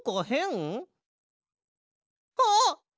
あっ！